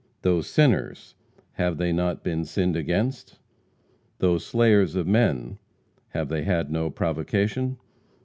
Though sinners, have they not been sinned against? Though slayers of men, have they had no provocation?